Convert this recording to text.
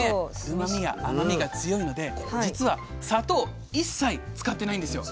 うまみが甘みが強いので実は砂糖一切使ってないんですよ。